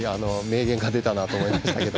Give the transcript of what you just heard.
名言が出たなと思いましたが。